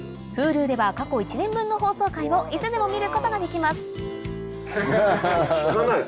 Ｈｕｌｕでは過去１年分の放送回をいつでも見ることができますきかない！